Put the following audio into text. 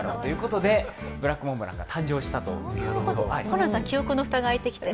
ホランさん、記憶の蓋が開いてきて？